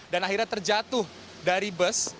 dan akhirnya terjatuh dari bus